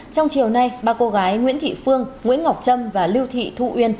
trong chiều nay ba cô gái nguyễn thị phương nguyễn ngọc trâm và lưu thị thu uyên